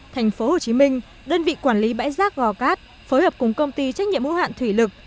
tp hcm đơn vị quản lý bãi giác gò cát phối hợp cùng công ty trách nhiệm hữu hạn thủy lực